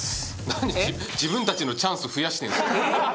何自分たちのチャンス増やしてんすか？